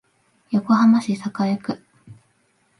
横浜市栄区